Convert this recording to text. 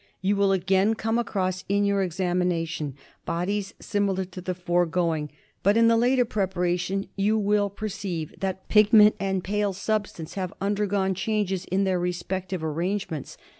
You will again come across in your examina tion bodies similar to the foregoing, but in the later preparation you will per ceive that pigment and pale substance have undergone changes in their respective arrangements.